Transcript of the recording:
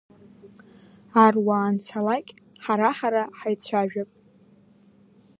Аруаа анцалак ҳара-ҳара ҳаицәажәап.